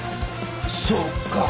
そうか。